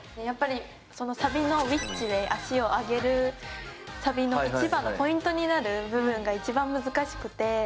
やっぱりサビのウィッチウェイ脚を上げるサビの一番のポイントになる部分が一番難しくて。